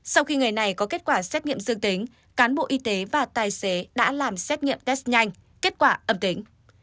sau khi người này có kết quả xét nghiệm dương tính cán bộ y tế và tài xế đã làm xét nghiệm test nhanh kết quả âm tính